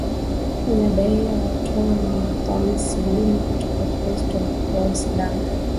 inadaiwa watu hao wamesilimu kutoka ukristu na kuwa waislamu